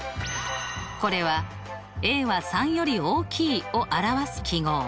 これはは３より大きいを表す記号。